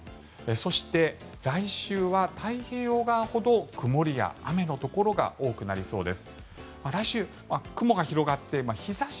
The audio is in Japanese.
そして、来週は太平洋側ほど曇りや雨のところが多くなりそうです。